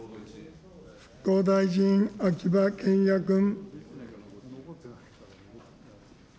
復興大臣、秋葉賢也君。